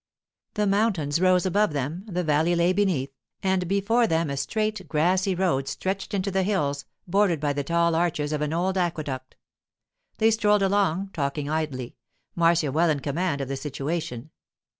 The mountains rose above them, the valley lay beneath, and before them a straight, grassy road stretched into the hills, bordered by the tall arches of an old aqueduct. They strolled along, talking idly, Marcia well in command of the situation.